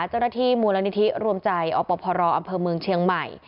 เจ้าหน้าที่มูลนิธิรวมใจอปพรอำเภอเมืองเชียงใหม่